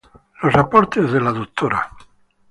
Los aportes de la Dra.